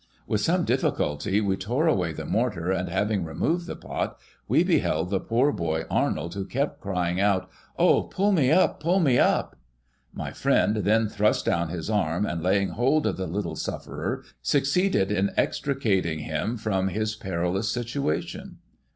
With some diffi culty we tore away the mortar, an^, having removed the pot, we beheld the poor boy Arnold, who kept crying out, " Oh ! pull me up, pull me up !" My friend then thrust down his arm, and, laying hold of the little sufferer, succeeded in ex tricating him from his perilous situation.